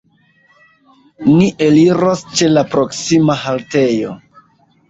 Ni eliros ĉe la proksima haltejo.